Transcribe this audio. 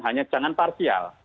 hanya jangan partial